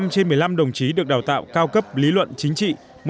năm trên một mươi năm đồng chí được đào tạo cao cấp lý luận chính trị